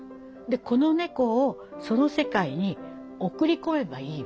でこの猫をその世界に送り込めばいいわけです。